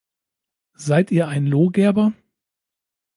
Seid Ihr ein Lohgerber?